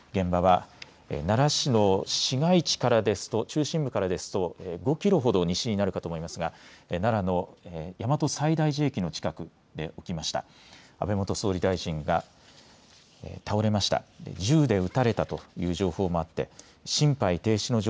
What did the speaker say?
現場は奈良市の市街地からですと中心部から１５キロほど西になるかと思いますが、奈良の大和西大寺駅の近くで起きました。